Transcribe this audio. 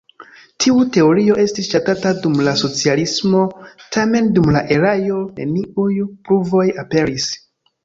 Tiu teorio estis ŝatata dum la socialismo, tamen dum la erao neniuj pruvoj aperis.